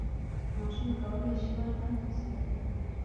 ماشوم کولای شي ور بند وساتي.